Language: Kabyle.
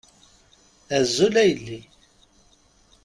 Azul a yelli.